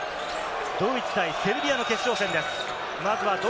ドイツ対セルビアの決勝戦です。